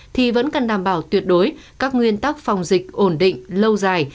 thì vẫn cần đảm bảo tuyệt đối các nguyên tắc phòng dịch ổn định lâu dài